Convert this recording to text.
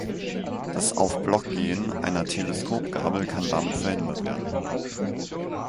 Das „Auf-Block-Gehen“ einer Teleskopgabel kann damit verhindert werden.